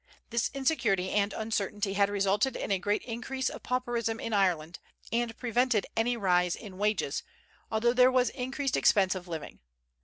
This insecurity and uncertainty had resulted in a great increase of pauperism in Ireland, and prevented any rise in wages, although there was increased expense of living.